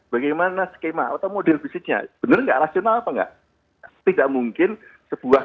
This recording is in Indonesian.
bagaimana skema atau model bisnisnya bener gak nasional atau enggak tidak mungkin sebuah